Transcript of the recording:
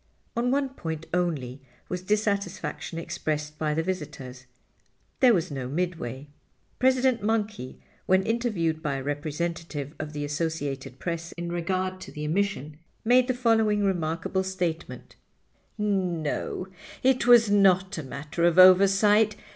On one point only was dissatisfaction expressed by the visitors—there was no Midway. President Monkey, when interviewed by a representative of the Associated Press in regard to the omission, made the following remarkable statement: "No, it was not a matter of oversight.